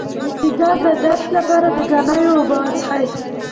د ځیګر د درد لپاره د ګنیو اوبه وڅښئ